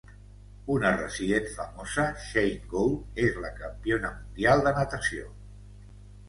Una resident famosa, Shane Gould, és la campiona mundial de natació.